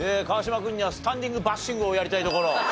川島君にはスタンディングバッシングをやりたいところ。